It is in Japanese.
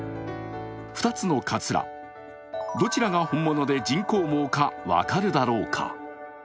２つのかつら、どちらが本物で人工毛か分かるだろうか。